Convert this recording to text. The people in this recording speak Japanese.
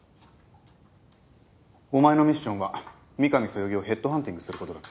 お前のミッションは御神そよぎをヘッドハンティングする事だったよな？